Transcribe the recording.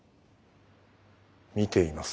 見ています。